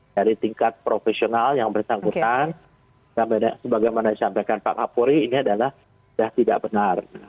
dari tingkat profesional yang bersangkutan sebagaimana disampaikan pak kapolri ini adalah sudah tidak benar